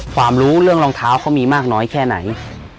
ความรู้เรื่องรองเท้าเขามีมากน้อยแค่ไหน